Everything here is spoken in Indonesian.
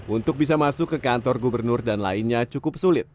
untuk bisa masuk ke kantor gubernur dan lainnya cukup sulit